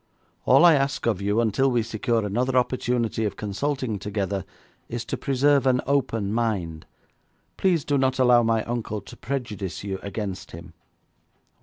All I ask of you until we secure another opportunity of consulting together is to preserve an open mind. Please do not allow my uncle to prejudice you against him.'